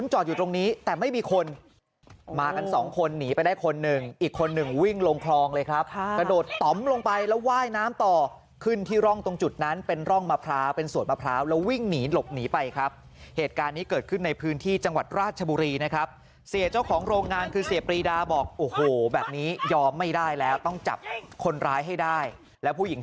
จอดอยู่ตรงนี้แต่ไม่มีคนมากันสองคนหนีไปได้คนหนึ่งอีกคนหนึ่งวิ่งลงคลองเลยครับกระโดดต่อมลงไปแล้วว่ายน้ำต่อขึ้นที่ร่องตรงจุดนั้นเป็นร่องมะพร้าวเป็นสวดมะพร้าวแล้ววิ่งหนีหลบหนีไปครับเหตุการณ์นี้เกิดขึ้นในพื้นที่จังหวัดราชบุรีนะครับเสียเจ้าของโรงงานคือเสียปรีดาบอกโอ้โหแบบนี้ยอมไม่ได้แล้วต้องจับคนร้ายให้ได้แล้วผู้หญิง